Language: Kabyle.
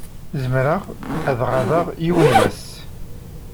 Zemreɣ ad ɣabeɣ yiwen wass?